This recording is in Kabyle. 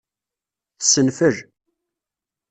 Tessenfel.